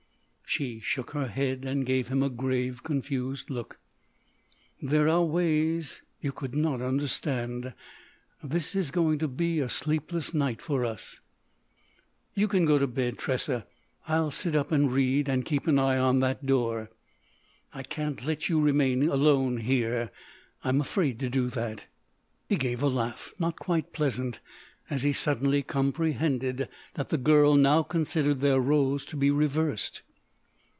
She shook her head and gave him a grave, confused look. "There are ways. You could not understand.... This is going to be a sleepless night for us." "You can go to bed, Tressa. I'll sit up and read and keep an eye on that door." "I can't let you remain alone here. I'm afraid to do that." He gave a laugh, not quite pleasant, as he suddenly comprehended that the girl now considered their rôles to be reversed.